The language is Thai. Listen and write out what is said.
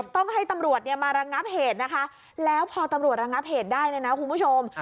ต้องให้ตำรวจมาระงับเหตุแล้วพอตำรวจระงับเหตุได้นะครับคุณผู้ชม